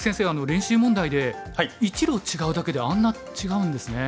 練習問題で１路違うだけであんな違うんですね。